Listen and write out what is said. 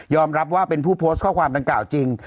รับว่าเป็นผู้โพสต์ข้อความดังกล่าวจริง